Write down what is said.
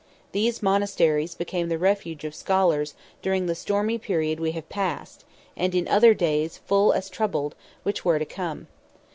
These monasteries became the refuge of scholars, during the stormy period we have passed, and in other days full as troubled, which were to come.